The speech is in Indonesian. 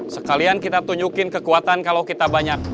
sekalian kita tunjukin kekuatan kalau kita banyak